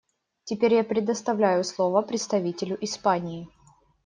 Теперь я предоставляю слово представителю Испании.